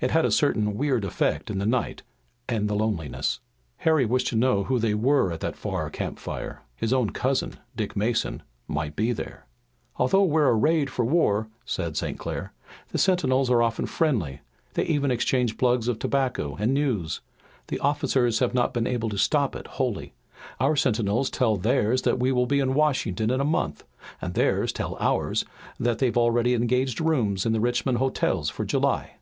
It had a certain weird effect in the night and the loneliness. Harry wished to know who they were at that far campfire. His own cousin, Dick Mason, might be there. "Although we're arrayed for war," said St. Clair, "the sentinels are often friendly. They even exchange plugs of tobacco and news. The officers have not been able to stop it wholly. Our sentinels tell theirs that we'll be in Washington in a month, and theirs tell ours that they've already engaged rooms in the Richmond hotels for July."